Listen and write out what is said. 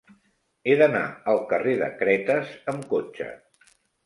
He d'anar al carrer de Cretes amb cotxe.